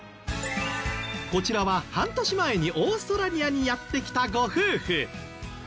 こちらは半年前にオーストラリアにやって来たご夫婦。